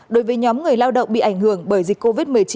đối với nhóm người lao động bị ảnh hưởng bởi dịch covid một mươi chín